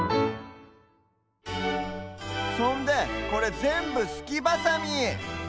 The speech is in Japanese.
そんでこれぜんぶすきバサミ。